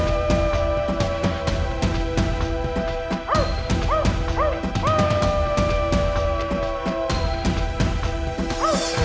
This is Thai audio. อ้าวอ้าวอ้าวอ้าวอ้าว